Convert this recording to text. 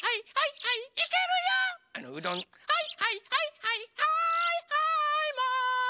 「はいはいはいはいはいはいマン」